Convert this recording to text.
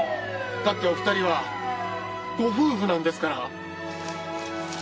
だってお二人はご夫婦なんですから。